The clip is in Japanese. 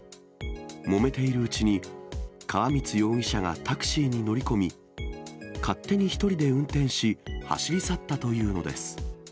もめているうちに、川満容疑者がタクシーに乗り込み、勝手に１人で運転し、走り去ったというのです。